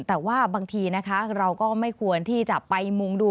แต่ว่าบางทีนะคะเราก็ไม่ควรที่จะไปมุงดู